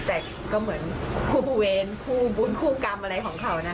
แต่ก็เหมือนคู่เวรคู่บุญคู่กรรมอะไรของเขานะ